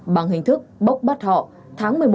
bằng hình thức bốc bắt họ tháng một mươi một